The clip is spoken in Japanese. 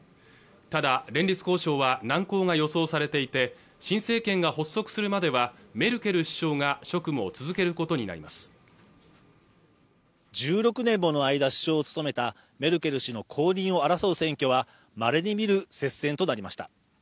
ただ連立交渉は難航が予想されていて新政権が発足するまではメルケル首相が職務を続けることになります１６年もの間首相を務めたメルケル氏の後任を争う選挙はまれに見る接戦となりました